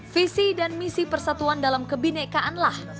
visi dan misi persatuan dalam kebinekaanlah